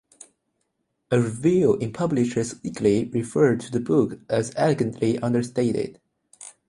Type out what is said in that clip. A review in "Publishers Weekly" referred to the book as "elegantly understated".